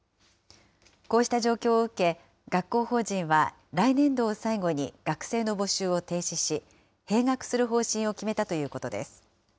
こうした状況を受け、学校法人は来年度を最後に、学生の募集を停止し、閉学する方針を決めたということです。